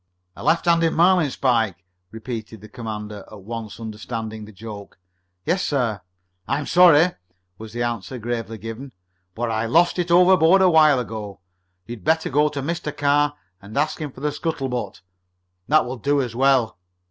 "A left handed marlinspike," repeated the commander, at once understanding the joke. "Yes, sir." "I'm sorry," was the answer, gravely given, "but I lost it overboard a while ago. You'd better go to Mr. Carr and ask him for the scuttle butt. That will do as well."